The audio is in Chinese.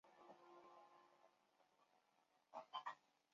隆莱勒泰松人口变化图示